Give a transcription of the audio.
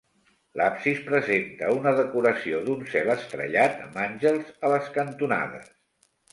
L'absis presenta una decoració d'un cel estrellat amb àngels a les cantonades.